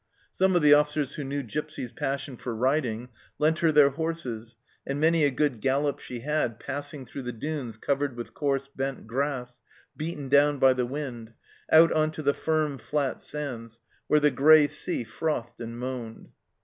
Some of the officers who knew Gipsy's passion for riding lent her their horses, and many a good gallop she had, passing through the dunes covered with coarse, bent grass, beaten down by the wind, out on to the firm, flat sands, where the grey sea frothed and moaned.